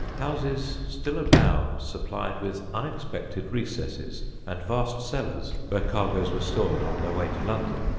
Houses still abound supplied with unexpected recesses and vast cellars where cargoes were stored on their way to London.